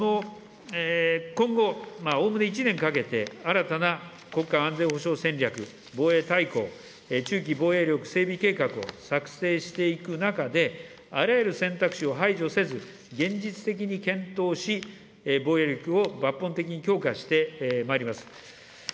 今後、おおむね１年かけて、新たな国家安全保障戦略、防衛大綱、中期防衛力整備計画を作成していく中で、あらゆる選択肢を排除せず、現実的に検討し、防衛力を抜本的に強化してまいります。